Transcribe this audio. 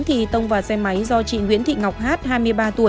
thì tông vào xe máy do chị nguyễn thị ngọc hát hai mươi ba tuổi